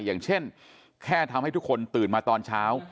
อย่างเช่นแค่ทำให้ทุกคนตื่นมาตอนเช้า